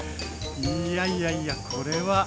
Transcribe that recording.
いやいやいやこれは。